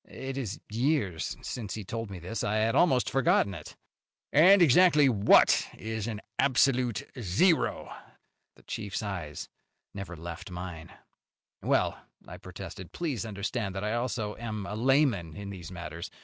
It is years since he told me this. I had almost forgotten it." "And exactly what is an absolute zero?" The chief's eyes never left mine. "Well," I protested, "please understand that I also am a layman in these matters.